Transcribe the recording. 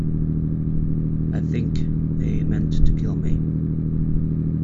I think they meant to kill me.